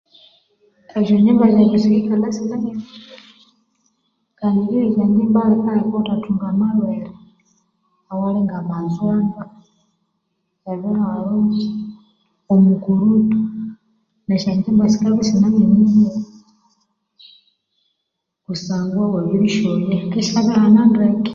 Voice not clear